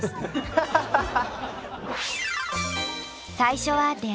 ハハハハ！